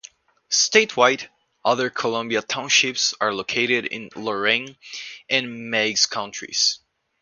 Statewide, other Columbia Townships are located in Lorain and Meigs counties.